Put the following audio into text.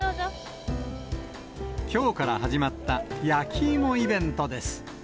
きょうから始まった焼き芋イベントです。